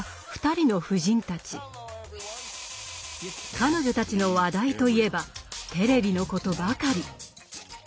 彼女たちの話題といえばテレビのことばかり。